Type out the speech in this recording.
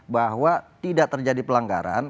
bahwa tidak terjadi pelanggaran